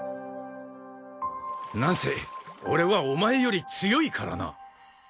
なんせ俺はお前より強いからな！